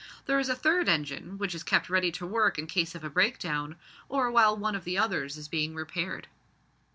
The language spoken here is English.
There is a third engine, which is kept ready to work in case of a break down, or while one of the others is being repaired."